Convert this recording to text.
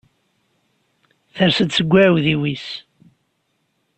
Ters-d seg uɛudiw-is.